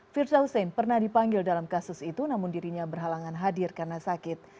firza hussein pernah dipanggil dalam kasus itu namun dirinya berhalangan hadir karena sakit